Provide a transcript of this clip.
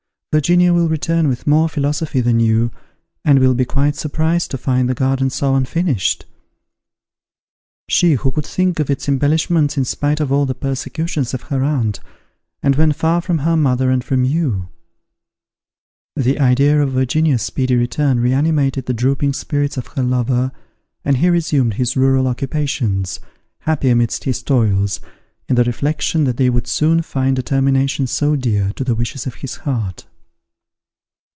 Virginia will return with more philosophy than you, and will be quite surprised to find the garden so unfinished; she who could think of its embellishments in spite of all the persecutions of her aunt, and when far from her mother and from you." The idea of Virginia's speedy return reanimated the drooping spirits of her lover, and he resumed his rural occupations, happy amidst his toils, in the reflection that they would soon find a termination so dear to the wishes of his heart.